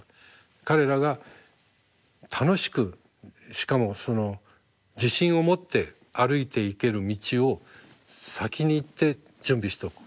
彼らが楽しくしかもその自信を持って歩いていける道を先に行って準備しておく。